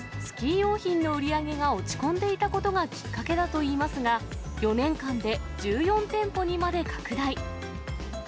スキー用品の売り上げが落ち込んでいたことがきっかけだといいますが、４年間で１４店舗にまで拡大。